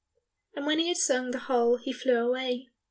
And when he had sung the whole he flew away.